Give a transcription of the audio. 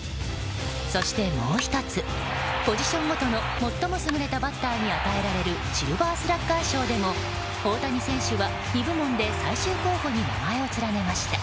そしてもう１つポジションごとの最も優れたバッターに与えられるシルバースラッガー賞でも大谷選手は２部門で最終候補に名前を連ねました。